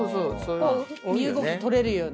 身動き取れるように。